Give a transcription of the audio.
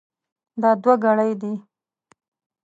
دا دوه ګړۍ دي.